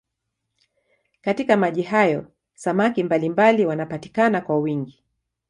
Katika maji hayo samaki mbalimbali wanapatikana kwa wingi.